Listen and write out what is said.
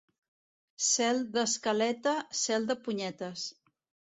Cel d'escaleta, cel de punyetes.